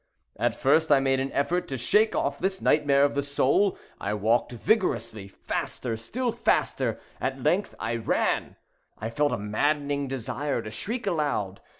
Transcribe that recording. At first, I made an effort to shake off this nightmare of the soul. I walked vigorously—faster—still faster—at length I ran. I felt a maddening desire to shriek aloud.